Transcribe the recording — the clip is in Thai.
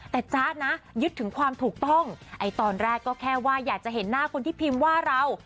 แต่จ๊ะนะยึดถึงความถูกต้องตอนแรกก็แค่ว่าอยากจะเห็นหน้าคนที่พิมพ์ว่าเรา